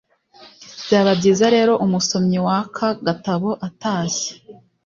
byaba byiza rero umusomyi w'aka gatabo atashye